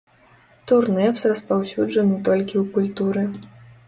Турнэпс распаўсюджаны толькі ў культуры.